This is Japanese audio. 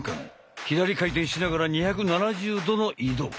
左回転しながら２７０度の移動。